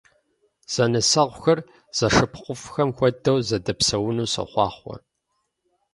Зэнысэгъухэр зэшыпхъуфӀхэм хуэдэу зэдэпсэуну сохъуахъуэ!